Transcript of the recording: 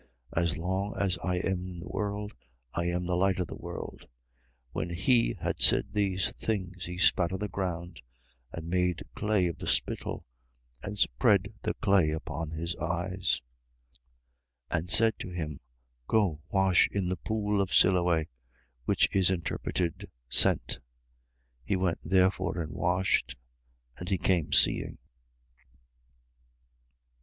9:5. As long as I am in the world, I am the light of the world. 9:6. When he had said these things, he spat on the ground and made clay of the spittle and spread the clay upon his eyes, 9:7. And said to him: Go, wash in the pool of Siloe, which is interpreted, Sent. He went therefore and washed: and he came seeing.